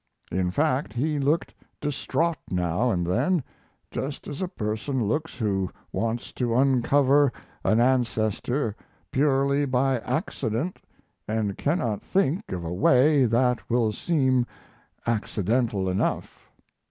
In fact he looked distraught now and then just as a person looks who wants to uncover an ancestor purely by accident and cannot think of a way that will seem accidental enough.